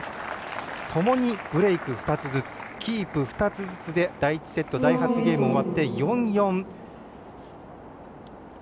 ともにブレーク２つずつキープ２つずつで第１セット第８ゲームが終わって４−４です。